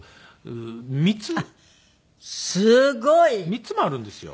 ３つもあるんですよ。